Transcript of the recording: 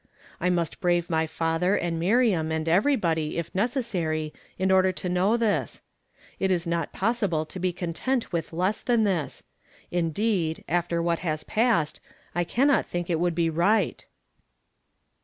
I must brave my father and Miriam and everybody', if necessary, in order to know this. It is net possible to be content with less than this ; indeed, after what has passed, I cannot think it would be right."